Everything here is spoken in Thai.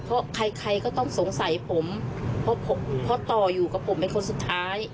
เพราะใครใครก็ต้องสงสัยผมเพราะต่ออยู่กับผมเป็นคนสุดท้าย